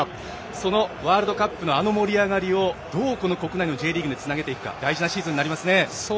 そのワールドカップのあの盛り上がりをどう国内のＪリーグにつなげていくか大事なシーズンになりますね。